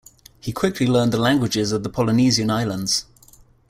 He quickly learned the languages of the Polynesian islands.